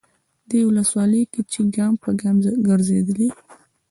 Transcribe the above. دې ولسوالۍ کې چې ګام به ګام ګرځېدلی،